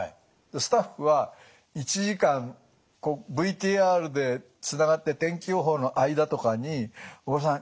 スタッフは１時間ＶＴＲでつながって天気予報の間とかに「小倉さん